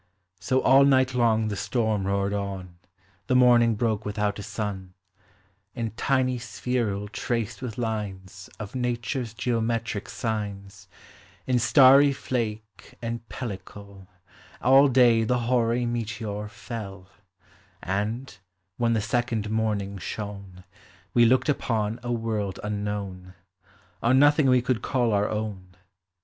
So all night long the storm roared on : The morning broke without a sun; In tiny spherule traced with lines Of Nature's geometric signs, In starry Hake, and pellicle, All day the hoary meteor fell ; And, when the second morning shone, We looked upon a world unknown, On nothing we could call our own.